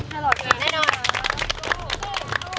แขลลอร์ตดีแน่นอน